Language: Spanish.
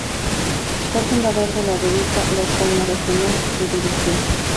Fue fundador de la revista "La España Regional", que dirigió.